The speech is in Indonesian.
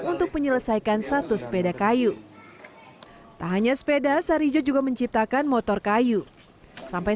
untuk menyelesaikan satu sepeda kayu tak hanya sepeda sarijo juga menciptakan motor kayu sampai